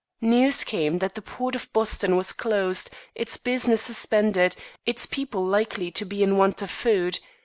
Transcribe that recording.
News came that the port of Boston was closed, its business suspended, its people likely to be in want of food.